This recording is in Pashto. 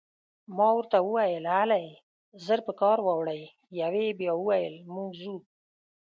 ما ورته وویل: هلئ، ژر په کار واوړئ، یوه یې بیا وویل: موږ ځو.